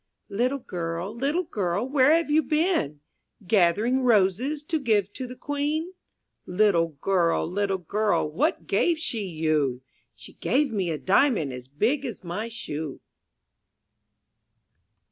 T ITTLE girl, little girl, where have you been? *^ Gathering roses to give to the Queen. Little girl, little girl, what gave she you? She gave me a diamond as big as my shoe.